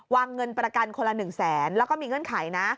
วางเงินประกันคนละ๑๐๐๐๐๐บาทแล้วก็มีเงื่อนไขนะ